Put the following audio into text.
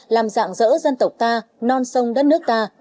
làm dạng dỡ dân tộc ta non sông đất nước ta